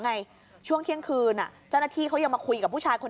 ไงช่วงเที่ยงคืนเจ้าหน้าที่เขายังมาคุยกับผู้ชายคน